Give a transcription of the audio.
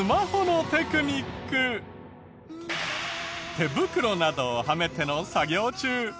手袋などをはめての作業中。